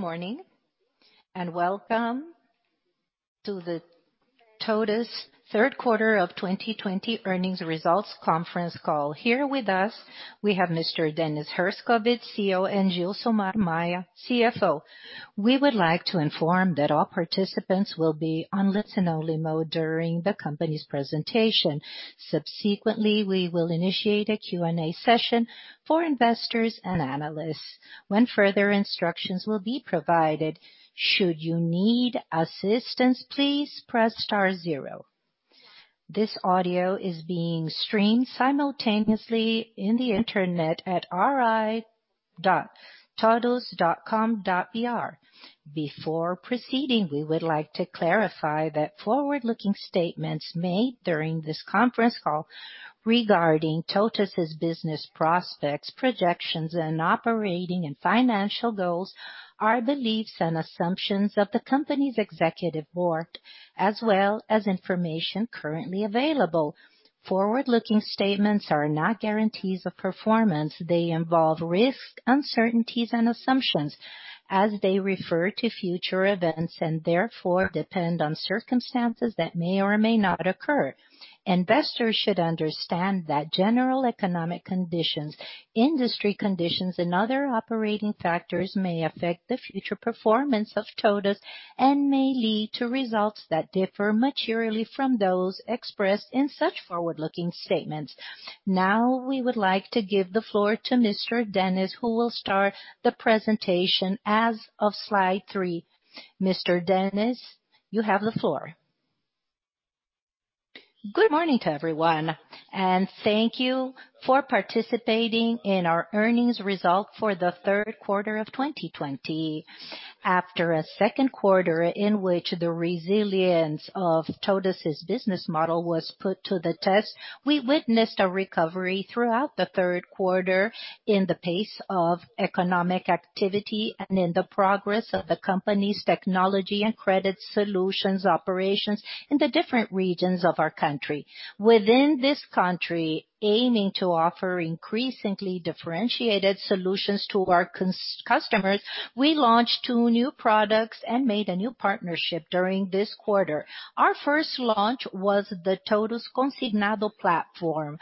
Good morning and welcome to the TOTVS Third Quarter of 2020 Earnings Results Conference Call. Here with us, we have Mr. Dennis Herszkowicz, CEO, and Gilsomar Maia, CFO. We would like to inform that all participants will be on listen-only mode during the company's presentation. Subsequently, we will initiate a Q&A session for investors and analysts. When further instructions will be provided, should you need assistance, please press star zero. This audio is being streamed simultaneously in the internet at ri.totvs.com.br. Before proceeding, we would like to clarify that forward-looking statements made during this conference call regarding TOTVS's business prospects, projections, and operating and financial goals are beliefs and assumptions of the company's executive board, as well as information currently available. Forward-looking statements are not guarantees of performance. They involve risks, uncertainties, and assumptions, as they refer to future events and therefore depend on circumstances that may or may not occur. Investors should understand that general economic conditions, industry conditions, and other operating factors may affect the future performance of TOTVS and may lead to results that differ materially from those expressed in such forward-looking statements. Now, we would like to give the floor to Mr. Dennis, who will start the presentation as of slide three. Mr. Dennis, you have the floor. Good morning to everyone, and thank you for participating in our earnings result for the third quarter of 2020. After a second quarter in which the resilience of TOTVS's business model was put to the test, we witnessed a recovery throughout the third quarter in the pace of economic activity and in the progress of the company's technology and credit solutions operations in the different regions of our country. Within this country, aiming to offer increasingly differentiated solutions to our customers, we launched two new products and made a new partnership during this quarter. Our first launch was the TOTVS Consignado platform.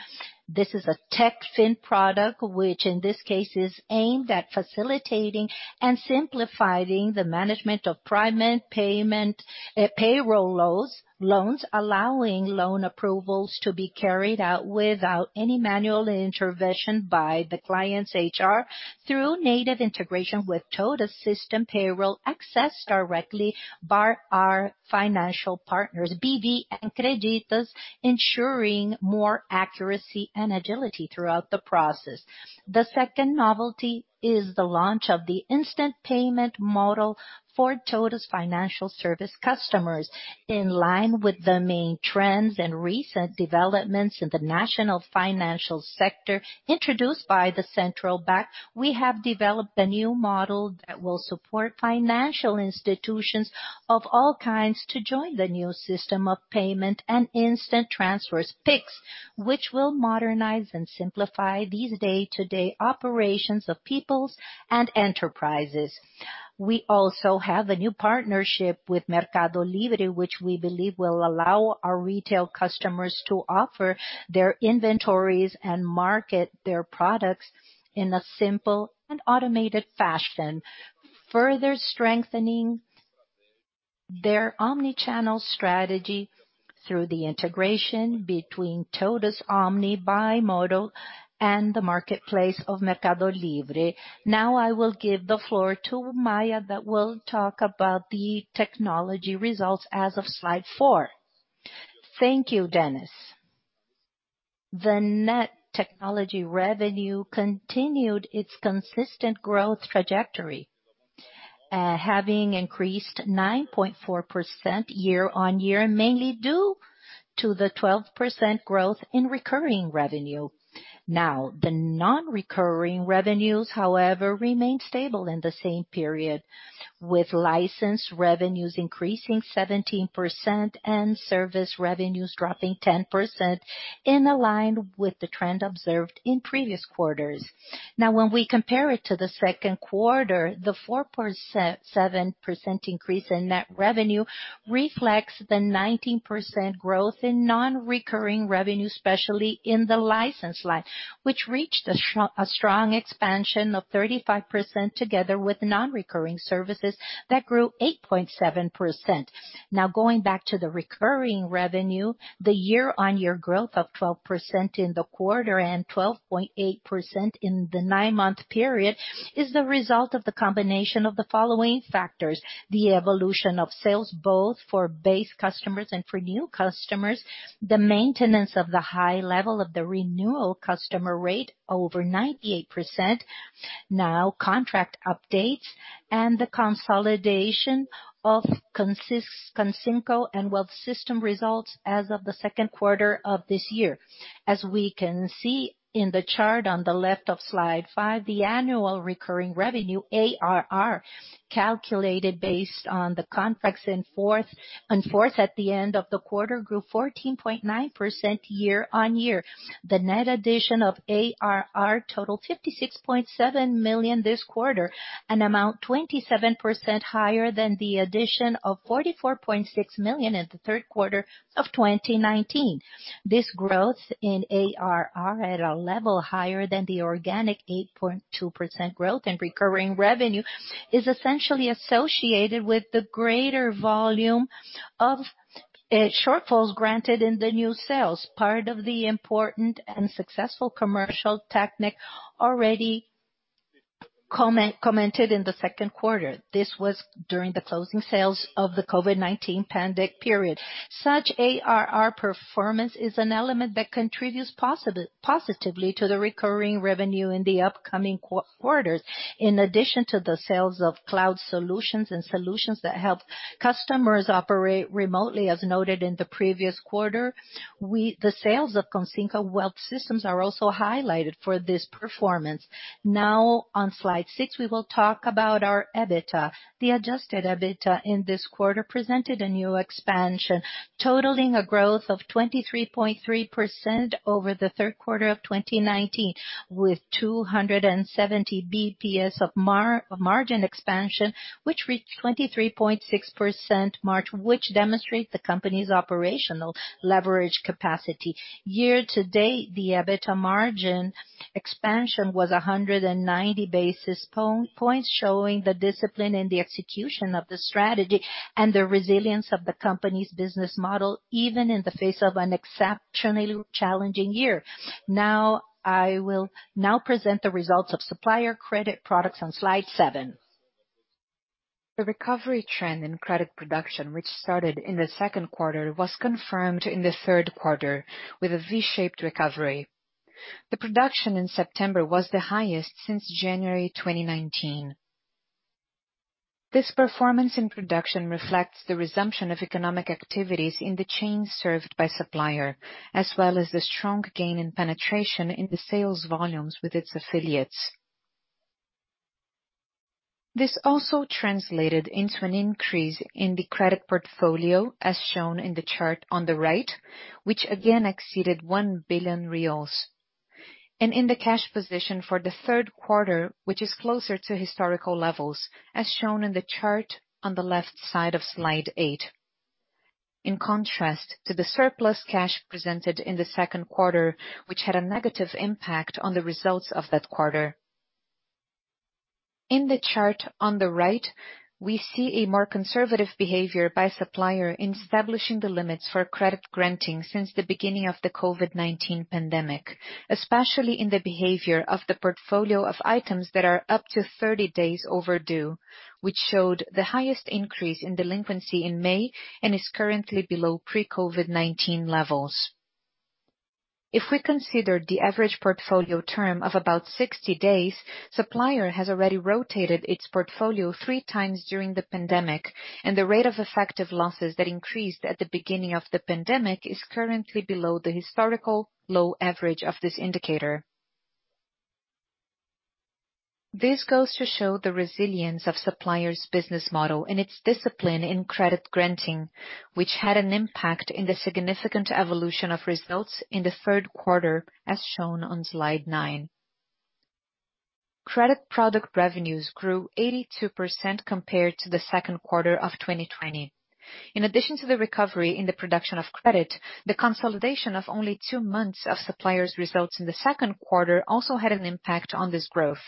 This is a TechFin product which, in this case, is aimed at facilitating and simplifying the management of prime payroll loans, allowing loan approvals to be carried out without any manual intervention by the client's HR through native integration with TOTVS system payroll access directly by our financial partners, BV and Creditas, ensuring more accuracy and agility throughout the process. The second novelty is the launch of the instant payment model for TOTVS financial service customers. In line with the main trends and recent developments in the national financial sector introduced by the central bank, we have developed a new model that will support financial institutions of all kinds to join the new system of payment and instant transfers, Pix, which will modernize and simplify these day-to-day operations of people and enterprises. We also have a new partnership with Mercado Libre, which we believe will allow our retail customers to offer their inventories and market their products in a simple and automated fashion, further strengthening their omnichannel strategy through the integration between TOTVS Omni by Moddo and the marketplace of Mercado Libre. Now, I will give the floor to Maia that will talk about the technology results as of slide four. Thank you, Dennis. The net technology revenue continued its consistent growth trajectory, having increased 9.4% year-on-year, mainly due to the 12% growth in recurring revenue. Now, the non-recurring revenues, however, remain stable in the same period, with license revenues increasing 17% and service revenues dropping 10% in line with the trend observed in previous quarters. Now, when we compare it to the second quarter, the 4.7% increase in net revenue reflects the 19% growth in non-recurring revenue, especially in the license line, which reached a strong expansion of 35% together with non-recurring services that grew 8.7%. Now, going back to the recurring revenue, the year-on-year growth of 12% in the quarter and 12.8% in the nine-month period is the result of the combination of the following factors: the evolution of sales both for base customers and for new customers, the maintenance of the high level of the renewal customer rate over 98%, now contract updates, and the consolidation of Consinco and Wealth Systems results as of the second quarter of this year. As we can see in the chart on the left of slide five, the annual recurring revenue, ARR, calculated based on the contracts in force at the end of the quarter, grew 14.9% year-on-year. The net addition of ARR totaled 56.7 million this quarter, an amount 27% higher than the addition of 44.6 million in the third quarter of 2019. This growth in ARR at a level higher than the organic 8.2% growth in recurring revenue is essentially associated with the greater volume of shortfalls granted in the new sales, part of the important and successful commercial technique already commented in the second quarter. This was during the closing sales of the COVID-19 pandemic period. Such ARR performance is an element that contributes positively to the recurring revenue in the upcoming quarters. In addition to the sales of cloud solutions and solutions that help customers operate remotely, as noted in the previous quarter, the sales of Consinco Wealth Systems are also highlighted for this performance. Now, on slide six, we will talk about our EBITDA. The adjusted EBITDA in this quarter presented a new expansion, totaling a growth of 23.3% over the third quarter of 2019, with 270 bps of margin expansion, which reached 23.6% Margin, which demonstrates the company's operational leverage capacity. Year to date, the EBITDA margin expansion was 190 basis points, showing the discipline in the execution of the strategy and the resilience of the company's business model, even in the face of an exceptionally challenging year. Now, I will present the results of Supplier credit products on slide seven. The recovery trend in credit production, which started in the second quarter, was confirmed in the third quarter with a V-shaped recovery. The production in September was the highest since January 2019. This performance in production reflects the resumption of economic activities in the chain served by Supplier, as well as the strong gain in penetration in the sales volumes with its affiliates. This also translated into an increase in the credit portfolio, as shown in the chart on the right, which again exceeded BRL 1 billion, and in the cash position for the third quarter, which is closer to historical levels, as shown in the chart on the left side of slide eight, in contrast to the surplus cash presented in the second quarter, which had a negative impact on the results of that quarter. In the chart on the right, we see a more conservative behavior by Supplier in establishing the limits for credit granting since the beginning of the COVID-19 pandemic, especially in the behavior of the portfolio of items that are up to 30 days overdue, which showed the highest increase in delinquency in May and is currently below pre-COVID-19 levels. If we consider the average portfolio term of about 60 days, Supplier has already rotated its portfolio three times during the pandemic, and the rate of effective losses that increased at the beginning of the pandemic is currently below the historical low average of this indicator. This goes to show the resilience of Supplier's business model and its discipline in credit granting, which had an impact in the significant evolution of results in the third quarter, as shown on slide nine. Credit product revenues grew 82% compared to the second quarter of 2020. In addition to the recovery in the production of credit, the consolidation of only two months of Supplier's results in the second quarter also had an impact on this growth.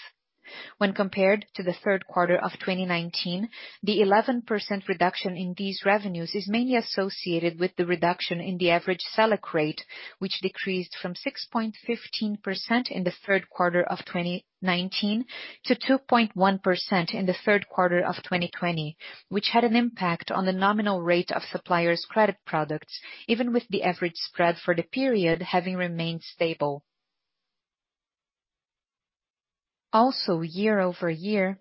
When compared to the third quarter of 2019, the 11% reduction in these revenues is mainly associated with the reduction in the average Selic rate, which decreased from 6.15% in the third quarter of 2019 to 2.1% in the third quarter of 2020, which had an impact on the nominal rate of Supplier's credit products, even with the average spread for the period having remained stable. Also, year over year,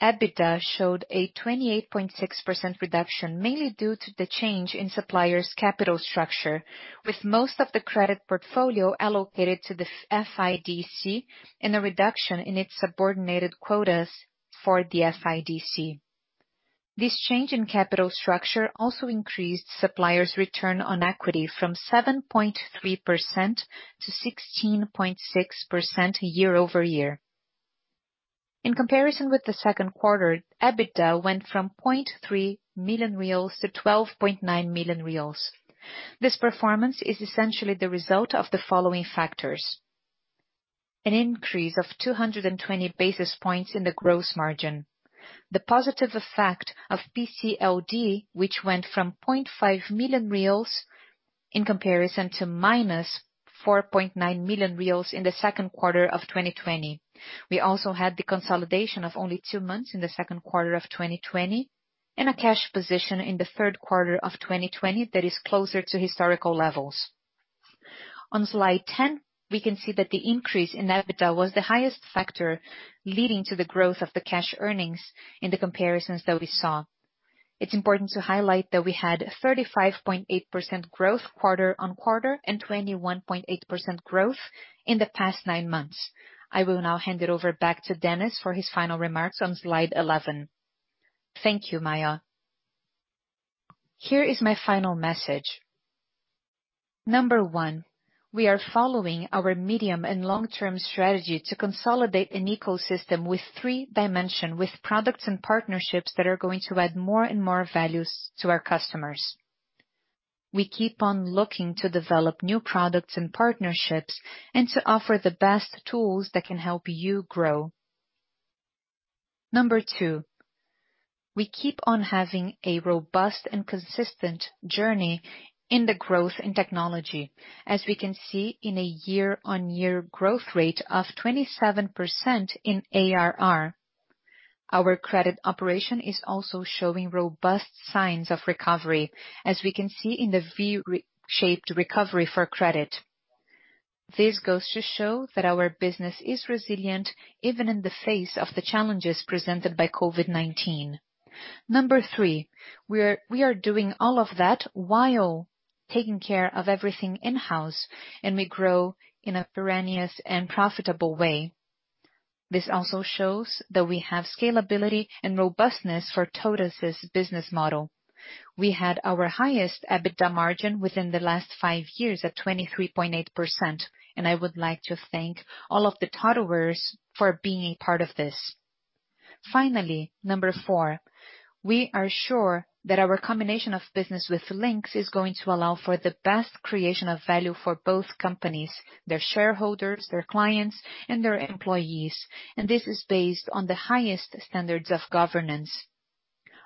EBITDA showed a 28.6% reduction, mainly due to the change in Supplier's capital structure, with most of the credit portfolio allocated to the FIDC and a reduction in its subordinated quotas for the FIDC. This change in capital structure also increased Supplier's return on equity from 7.3% to 16.6% year-over-year. In comparison with the second quarter, EBITDA went from 0.3 million reais to 12.9 million reais. This performance is essentially the result of the following factors: an increase of 220 basis points in the gross margin, the positive effect of PCLD, which went from 0.5 million reais in comparison to minus 4.9 million reais in the second quarter of 2020. We also had the consolidation of only two months in the second quarter of 2020 and a cash position in the third quarter of 2020 that is closer to historical levels. On slide 10, we can see that the increase in EBITDA was the highest factor leading to the growth of the cash earnings in the comparisons that we saw. It's important to highlight that we had 35.8% growth quarter-on-quarter and 21.8% growth in the past nine months. I will now hand it over back to Dennis for his final remarks on slide 11. Thank you, Maia. Here is my final message. Number one, we are following our medium and long-term strategy to consolidate an ecosystem with three dimensions, with products and partnerships that are going to add more and more values to our customers. We keep on looking to develop new products and partnerships and to offer the best tools that can help you grow. Number two, we keep on having a robust and consistent journey in the growth in technology, as we can see in a year-on-year growth rate of 27% in ARR. Our credit operation is also showing robust signs of recovery, as we can see in the V-shaped recovery for credit. This goes to show that our business is resilient even in the face of the challenges presented by COVID-19. Number three, we are doing all of that while taking care of everything in-house and we grow in a perennial and profitable way. This also shows that we have scalability and robustness for TOTVS's business model. We had our highest EBITDA margin within the last five years at 23.8%, and I would like to thank all of the TOTVERS for being a part of this. Finally, number four, we are sure that our combination of business with Linx is going to allow for the best creation of value for both companies, their shareholders, their clients, and their employees, and this is based on the highest standards of governance,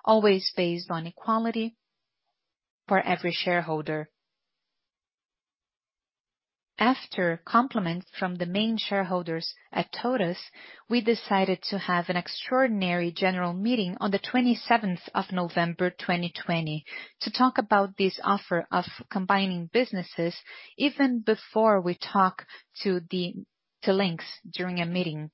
always based on equality for every shareholder. After compliments from the main shareholders at TOTVS, we decided to have an extraordinary general meeting on the 27th of November 2020 to talk about this offer of combining businesses even before we talk to Linx during a meeting.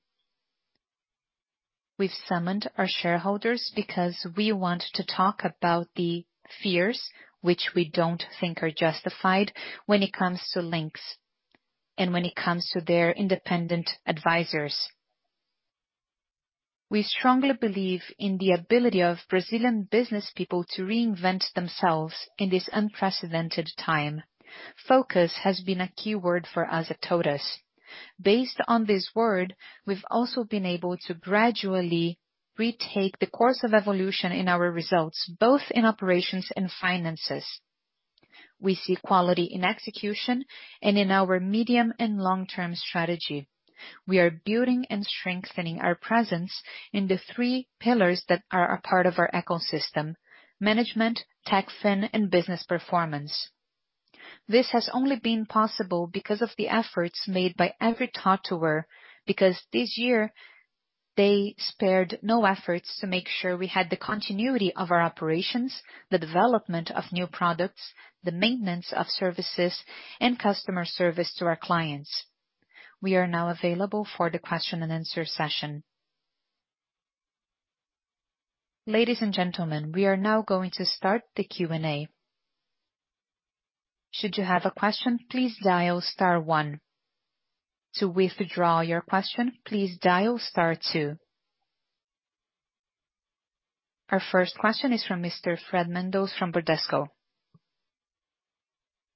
We've summoned our shareholders because we want to talk about the fears which we don't think are justified when it comes to Linx and when it comes to their independent advisors. We strongly believe in the ability of Brazilian business people to reinvent themselves in this unprecedented time. Focus has been a key word for us at TOTVS. Based on this word, we've also been able to gradually retake the course of evolution in our results, both in operations and finances. We see quality in execution and in our medium and long-term strategy. We are building and strengthening our presence in the three pillars that are a part of our ecosystem: management, techFin, and business performance. This has only been possible because of the efforts made by every TOTVER, because this year they spared no efforts to make sure we had the continuity of our operations, the development of new products, the maintenance of services, and customer service to our clients. We are now available for the question and answer session. Ladies and gentlemen, we are now going to start the Q&A. Should you have a question, please dial star one. To withdraw your question, please dial star two. Our first question is from Mr. Fred Mendes from Bradesco.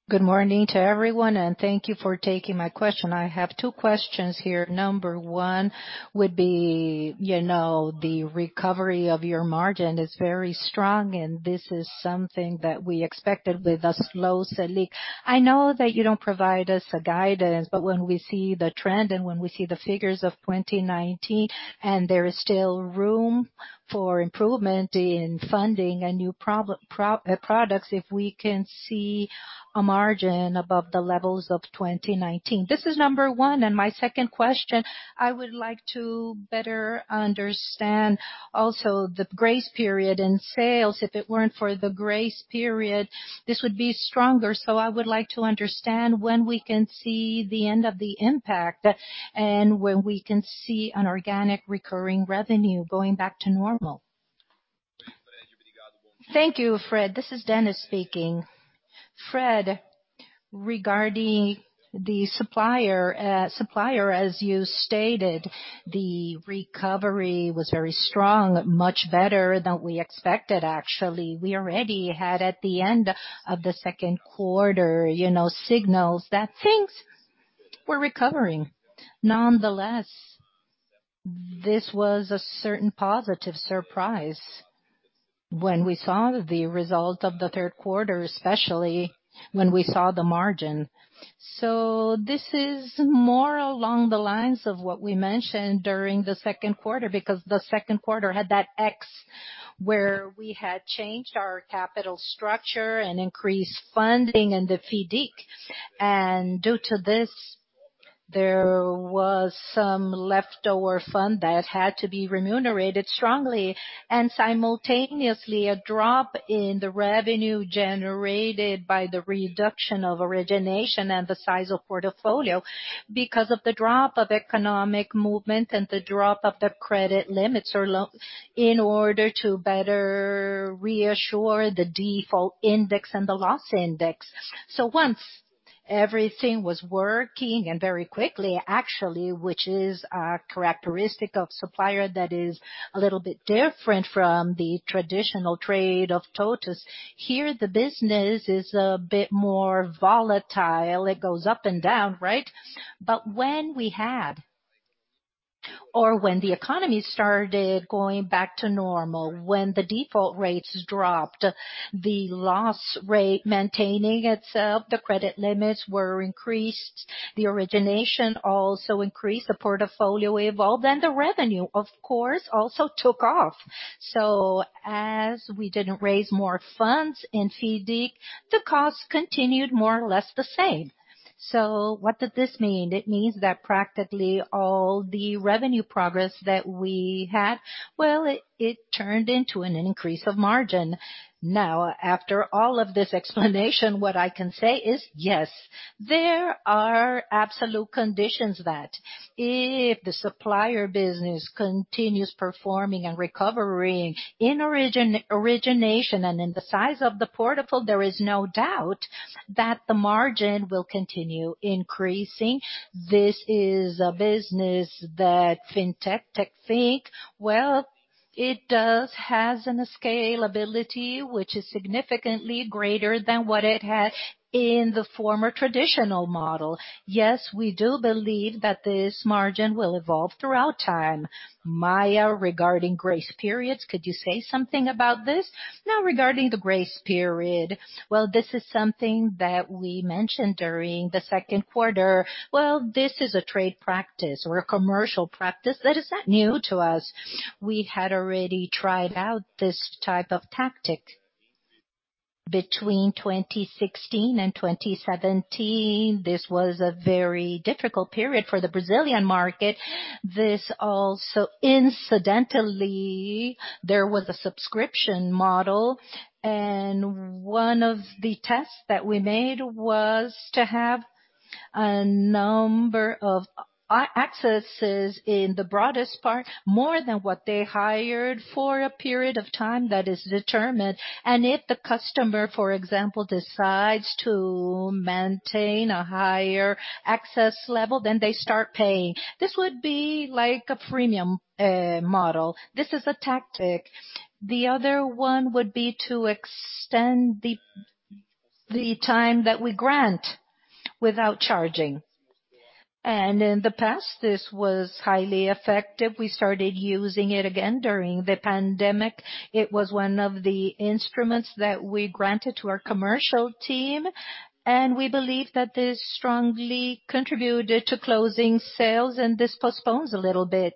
Good morning to everyone, and thank you for taking my question. I have two questions here. Number one would be, you know, the recovery of your margin is very strong, and this is something that we expected with a slow Selic. I know that you don't provide us guidance, but when we see the trend and when we see the figures of 2019, and there is still room for improvement in funding and new products, if we can see a margin above the levels of 2019. This is number one. And my second question, I would like to better understand also the grace period in sales. If it weren't for the grace period, this would be stronger. So I would like to understand when we can see the end of the impact and when we can see an organic recurring revenue going back to normal. Thank you, Fred. This is Dennis speaking. Fred, regarding the Supplier, as you stated, the recovery was very strong, much better than we expected, actually. We already had, at the end of the second quarter, you know, signals that things were recovering. Nonetheless, this was a certain positive surprise when we saw the result of the third quarter, especially when we saw the margin. So this is more along the lines of what we mentioned during the second quarter, because the second quarter had that X where we had changed our capital structure and increased funding and the FIDC. And due to this, there was some leftover fund that had to be remunerated strongly, and simultaneously a drop in the revenue generated by the reduction of origination and the size of portfolio because of the drop of economic movement and the drop of the credit limits in order to better reassure the default index and the loss index. So once everything was working and very quickly, actually, which is a characteristic of Supplier that is a little bit different from the traditional trade of TOTVS, here the business is a bit more volatile. It goes up and down, right? But when we had, or when the economy started going back to normal, when the default rates dropped, the loss rate maintaining itself, the credit limits were increased, the origination also increased, the portfolio evolved, and the revenue, of course, also took off. So as we didn't raise more funds in FIDC, the costs continued more or less the same. So what did this mean? It means that practically all the revenue progress that we had, well, it turned into an increase of margin. Now, after all of this explanation, what I can say is yes, there are absolute conditions that if the Supplier business continues performing and recovering in origination and in the size of the portfolio, there is no doubt that the margin will continue increasing. This is a business that fintech TechFin, well, it does have a scalability which is significantly greater than what it had in the former traditional model. Yes, we do believe that this margin will evolve throughout time. Maia, regarding grace periods, could you say something about this? Now, regarding the grace period, well, this is something that we mentioned during the second quarter. This is a trade practice or a commercial practice that is not new to us. We had already tried out this type of tactic between 2016 and 2017. This was a very difficult period for the Brazilian market. This also, incidentally, there was a subscription model, and one of the tests that we made was to have a number of accesses in the broadest part, more than what they hired for a period of time that is determined. And if the customer, for example, decides to maintain a higher access level, then they start paying. This would be like a freemium model. This is a tactic. The other one would be to extend the time that we grant without charging. And in the past, this was highly effective. We started using it again during the pandemic. It was one of the instruments that we granted to our commercial team, and we believe that this strongly contributed to closing sales, and this postpones a little bit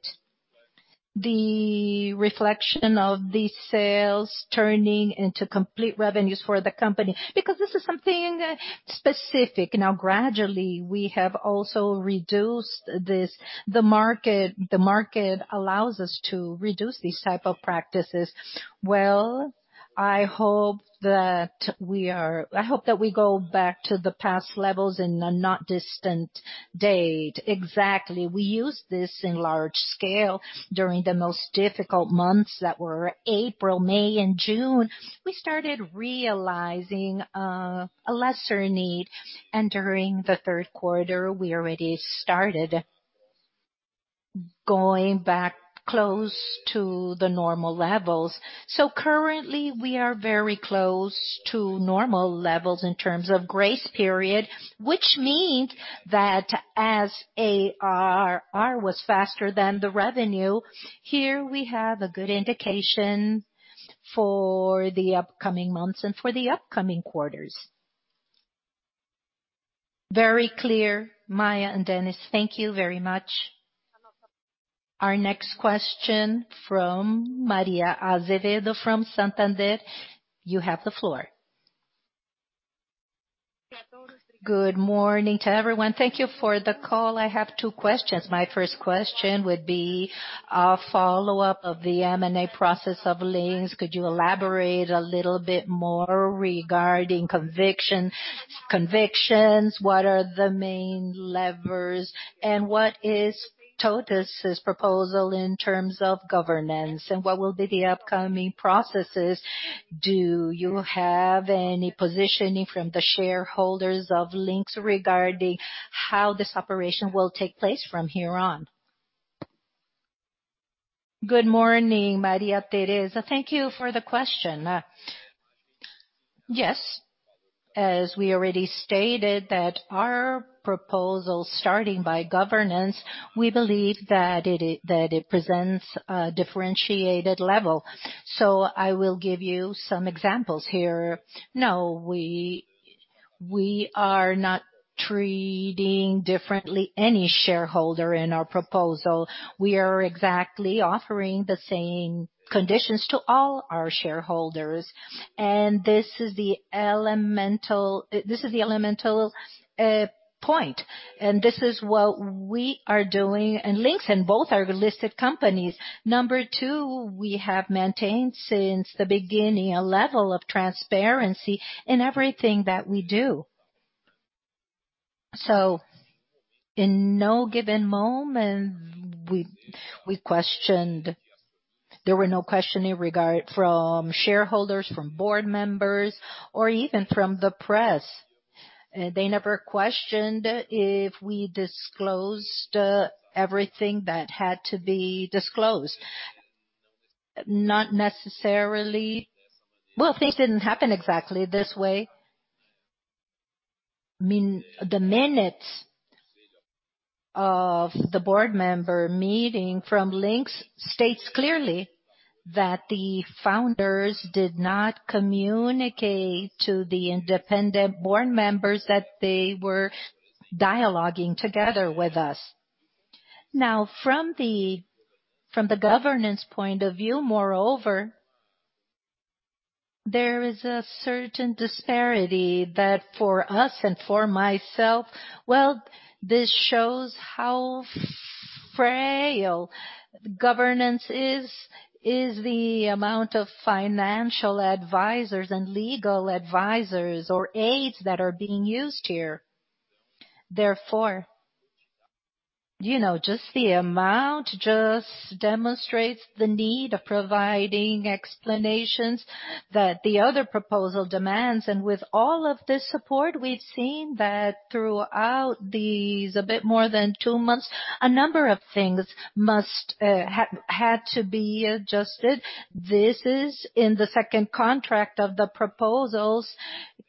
the reflection of the sales turning into complete revenues for the company, because this is something specific. Now, gradually, we have also reduced this. The market allows us to reduce these types of practices. I hope that we are. I hope that we go back to the past levels in a not distant date. Exactly. We used this in large scale during the most difficult months that were April, May, and June. We started realizing a lesser need, and during the third quarter, we already started going back close to the normal levels. So currently, we are very close to normal levels in terms of grace period, which means that as ARR was faster than the revenue, here we have a good indication for the upcoming months and for the upcoming quarters. Very clear, Maia and Dennis. Thank you very much. Our next question from Maria Azevedo from Santander. You have the floor. Good morning to everyone. Thank you for the call. I have two questions. My first question would be a follow-up of the M&A process of Linx. Could you elaborate a little bit more regarding convictions? What are the main levers, and what is TOTVS's proposal in terms of governance, and what will be the upcoming processes? Do you have any positioning from the shareholders of Linx regarding how this operation will take place from here on? Good morning, Maria Teresa. Thank you for the question. Yes. As we already stated that our proposal, starting by governance, we believe that it presents a differentiated level. So I will give you some examples here. No, we are not treating differently any shareholder in our proposal. We are exactly offering the same conditions to all our shareholders. And this is the elemental point. And this is what we are doing in Linx, and both are listed companies. Number two, we have maintained since the beginning a level of transparency in everything that we do. So in no given moment, we questioned. There were no questions from shareholders, from board members, or even from the press. They never questioned if we disclosed everything that had to be disclosed. Not necessarily. Well, things didn't happen exactly this way. I mean, the minutes of the board member meeting from Linx states clearly that the founders did not communicate to the independent board members that they were dialoguing together with us. Now, from the governance point of view, moreover, there is a certain disparity that for us and for myself, well, this shows how frail governance is, the amount of financial advisors and legal advisors or aides that are being used here. Therefore, you know, just the amount demonstrates the need of providing explanations that the other proposal demands. And with all of this support, we've seen that throughout these a bit more than two months, a number of things had to be adjusted. This is in the second contract of the proposals,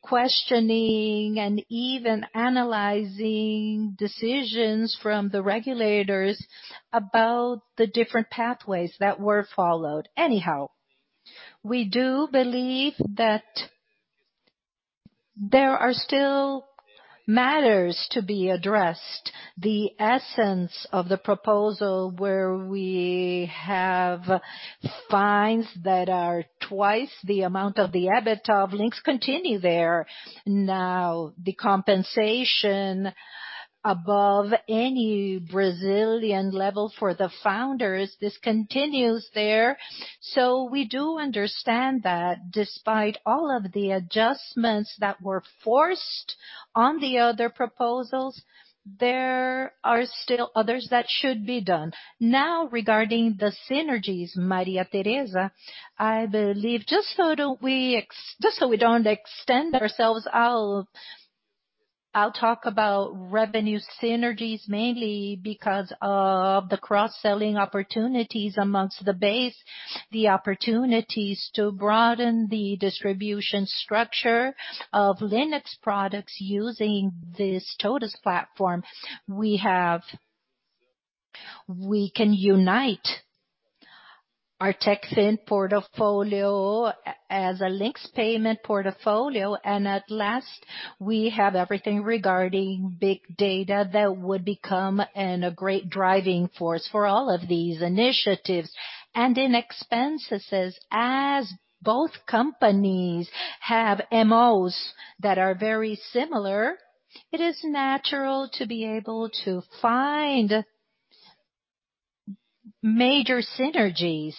questioning and even analyzing decisions from the regulators about the different pathways that were followed. Anyhow, we do believe that there are still matters to be addressed. The essence of the proposal where we have fines that are twice the amount of the EBIT of Linx continue there. Now, the compensation above any Brazilian level for the founders, this continues there. So we do understand that despite all of the adjustments that were forced on the other proposals, there are still others that should be done. Now, regarding the synergies, Maria Teresa, I believe just so we don't extend ourselves, I'll talk about revenue synergies, mainly because of the cross-selling opportunities amongst the base, the opportunities to broaden the distribution structure of Linx products using this TOTVS platform. We can unite our TechFin portfolio as a Linx payment portfolio. And at last, we have everything regarding big data that would become a great driving force for all of these initiatives. In expenses, as both companies have MOs that are very similar, it is natural to be able to find major synergies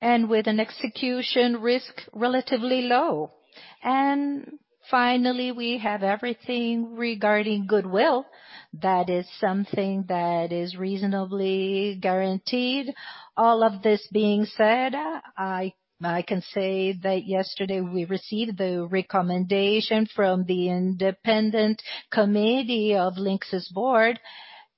and with an execution risk relatively low. Finally, we have everything regarding goodwill. That is something that is reasonably guaranteed. All of this being said, I can say that yesterday we received the recommendation from the independent committee of Linx's board,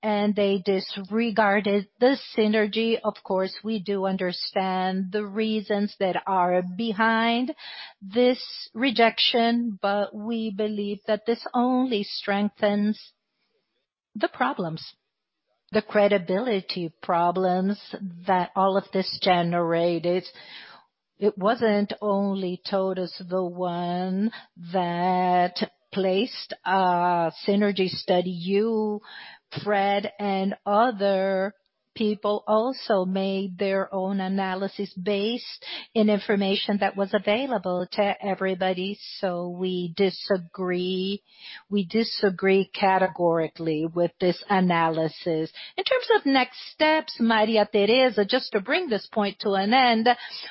and they disregarded the synergy. Of course, we do understand the reasons that are behind this rejection, but we believe that this only strengthens the problems, the credibility problems that all of this generated. It wasn't only TOTVS the one that placed a synergy study. You, Fred, and other people also made their own analysis based on information that was available to everybody. So we disagree. We disagree categorically with this analysis. In terms of next steps, Maria Teresa, just to bring this point to an end,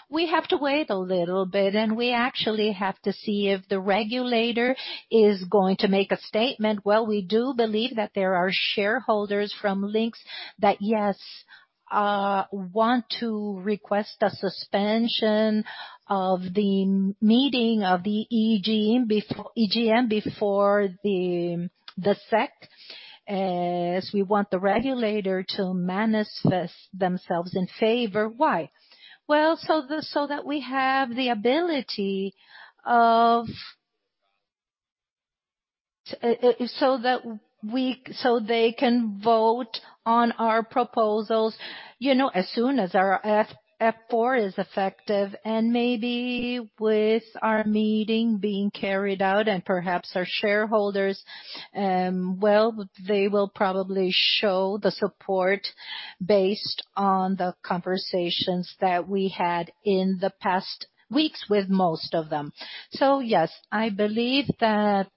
we have to wait a little bit, and we actually have to see if the regulator is going to make a statement. We do believe that there are shareholders from Linx that, yes, want to request a suspension of the meeting of the EGM before the SEC, as we want the regulator to manifest themselves in favor. Why? So that we have the ability of so that they can vote on our proposals, you know, as soon as our F-4 is effective and maybe with our meeting being carried out and perhaps our shareholders, well, they will probably show the support based on the conversations that we had in the past weeks with most of them. Yes, I believe that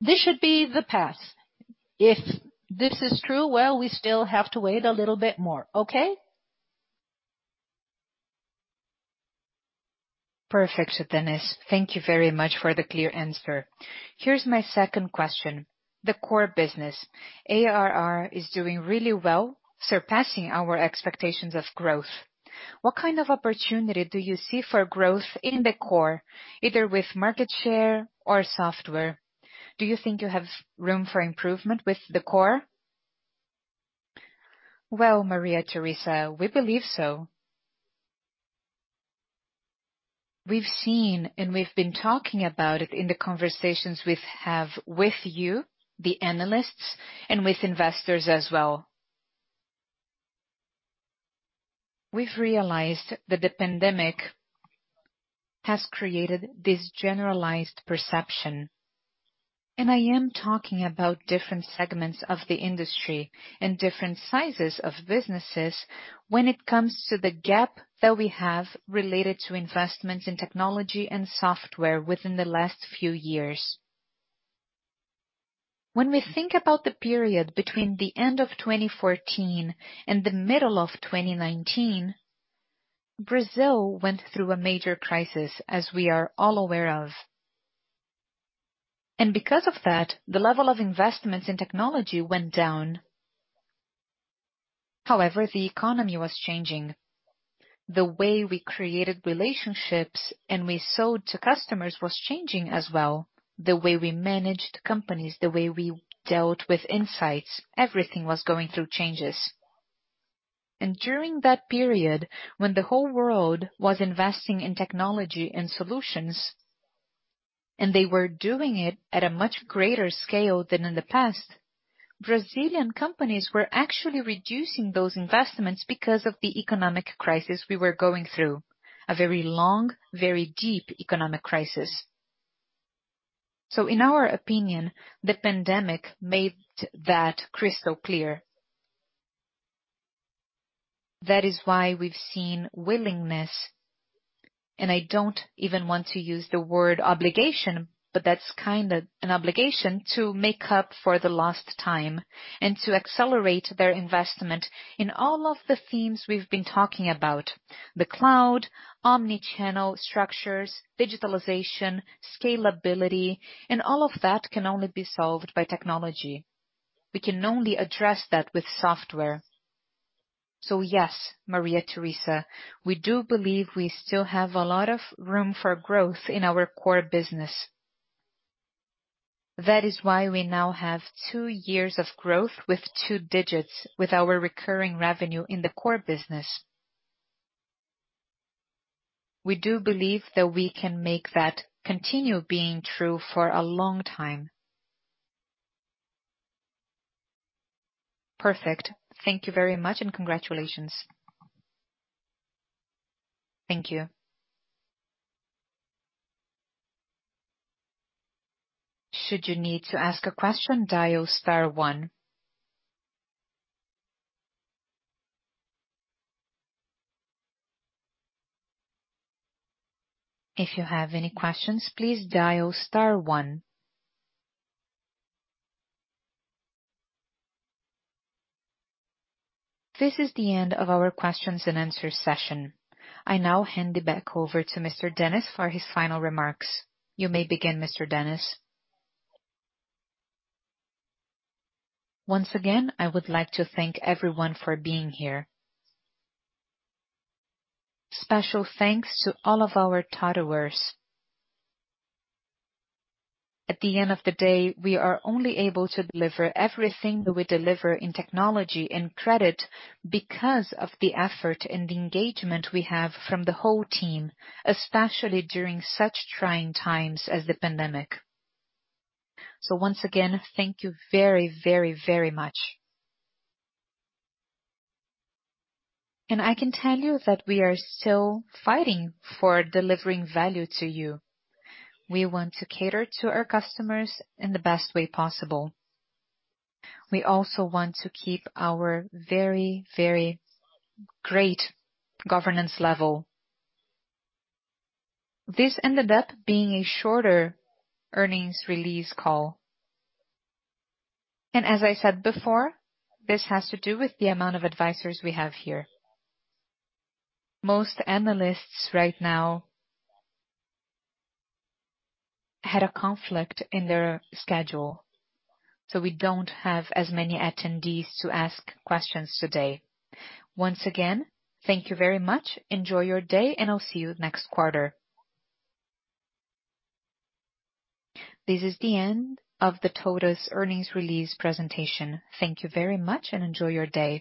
this should be the path. If this is true, well, we still have to wait a little bit more. Okay? Perfect, Dennis. Thank you very much for the clear answer. Here's my second question. The core business, ARR, is doing really well, surpassing our expectations of growth. What kind of opportunity do you see for growth in the core, either with market share or software? Do you think you have room for improvement with the core? Well, Maria Teresa, we believe so. We've seen, and we've been talking about it in the conversations we have with you, the analysts, and with investors as well. We've realized that the pandemic has created this generalized perception, and I am talking about different segments of the industry and different sizes of businesses when it comes to the gap that we have related to investments in technology and software within the last few years. When we think about the period between the end of 2014 and the middle of 2019, Brazil went through a major crisis, as we are all aware of. And because of that, the level of investments in technology went down. However, the economy was changing. The way we created relationships and we sold to customers was changing as well. The way we managed companies, the way we dealt with insights, everything was going through changes. And during that period, when the whole world was investing in technology and solutions, and they were doing it at a much greater scale than in the past, Brazilian companies were actually reducing those investments because of the economic crisis we were going through, a very long, very deep economic crisis. So in our opinion, the pandemic made that crystal clear. That is why we've seen willingness, and I don't even want to use the word obligation, but that's kind of an obligation to make up for the lost time and to accelerate their investment in all of the themes we've been talking about: the cloud, omnichannel structures, digitalization, scalability, and all of that can only be solved by technology. We can only address that with software. So yes, Maria Teresa, we do believe we still have a lot of room for growth in our core business. That is why we now have two years of growth with two digits with our recurring revenue in the core business. We do believe that we can make that continue being true for a long time. Perfect. Thank you very much and congratulations. Thank you. Should you need to ask a question, dial star one. If you have any questions, please dial star one. This is the end of our questions and answers session. I now hand it back over to Mr. Dennis for his final remarks. You may begin, Mr. Dennis. Once again, I would like to thank everyone for being here. Special thanks to all of our TOTVS. At the end of the day, we are only able to deliver everything that we deliver in technology and credit because of the effort and the engagement we have from the whole team, especially during such trying times as the pandemic, so once again, thank you very, very, very much, and I can tell you that we are still fighting for delivering value to you. We want to cater to our customers in the best way possible. We also want to keep our very, very great governance level. This ended up being a shorter earnings release call. And as I said before, this has to do with the amount of advisors we have here. Most analysts right now had a conflict in their schedule. So we don't have as many attendees to ask questions today. Once again, thank you very much. Enjoy your day, and I'll see you next quarter. This is the end of the TOTVS earnings release presentation. Thank you very much, and enjoy your day.